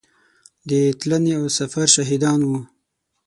د تلنې او سفر شاهدان وو.